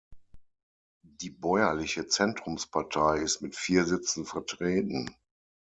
Die bäuerliche Zentrumspartei ist mit vier Sitzen vertreten.